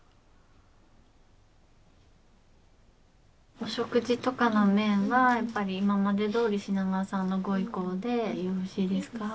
お食事とかの面はやっぱり今までどおり品川さんのご意向でよろしいですか？